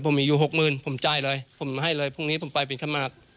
ผมมีอยู่หกหมื่นผมจ่ายเลยผมมาให้เลยพรุ่งนี้ผมไปเป็นขมาก